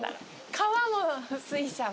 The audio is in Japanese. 川も水車も。